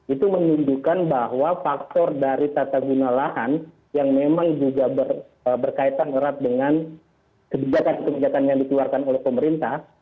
itu menunjukkan bahwa faktor dari tata guna lahan yang memang juga berkaitan erat dengan kebijakan kebijakan yang dikeluarkan oleh pemerintah